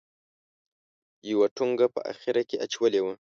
یوه ټونګه په اخره کې اچولې وه.